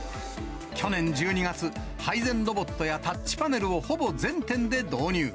去年１２月、配膳ロボットやタッチパネルをほぼ全店で導入。